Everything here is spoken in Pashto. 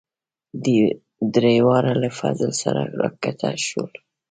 دریواړه له فضل سره راکښته شولو.